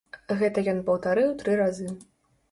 Гэта ён паўтарыў тры разы.